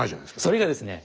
それがですね